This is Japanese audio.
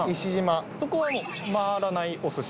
そこは回らないお寿司？